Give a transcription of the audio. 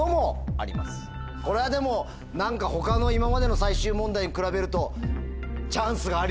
これはでも他の今までの最終問題に比べると。